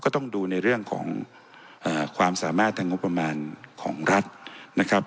ต้องดูในเรื่องของความสามารถทางงบประมาณของรัฐนะครับ